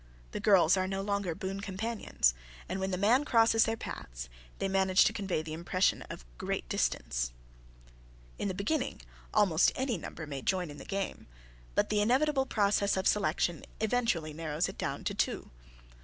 The girls are no longer boon companions and when the man crosses their paths, they manage to convey the impression of great distance. [Sidenote: Narrowed Down to Two] In the beginning, almost any number may join in the game, but the inevitable process of selection eventually narrows it down to two.